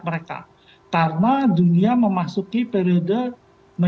pembuang minyak ini tidak